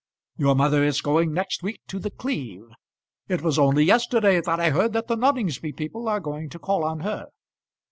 Your mother is going next week to The Cleeve. It was only yesterday that I heard that the Noningsby people are going to call on her.